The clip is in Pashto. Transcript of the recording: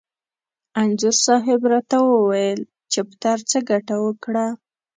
انځور صاحب را ته وویل: چپټر څه ګټه وکړه؟